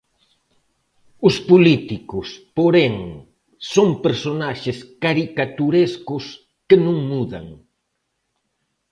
Os políticos, porén, son personaxes caricaturescos que non mudan.